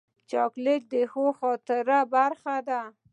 چاکلېټ د ښو خاطرو برخه ده.